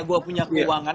gue punya keuangan